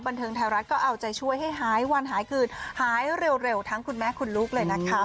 บันเทิงไทยรัฐก็เอาใจช่วยให้หายวันหายคืนหายเร็วทั้งคุณแม่คุณลูกเลยนะคะ